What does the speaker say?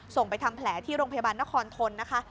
ไปทำแผลที่โรงพยาบาลนครทนนะคะ